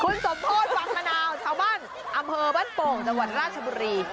คุณสมโพธิวังมะนาวชาวบ้านอำเภอบ้านโป่งจังหวัดราชบุรี